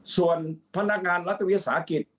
ส่วนพนักงานรัฐวิทย์ศาสตร์กิจ